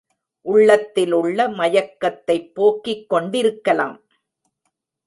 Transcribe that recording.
உள்ளத்திலுள்ள மயக்கத்தைப் போக்கிக் கொண்டிருக்கலாம்.